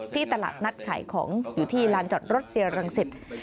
ตลาดนัดขายของอยู่ที่ลานจอดรถเซียรังสิต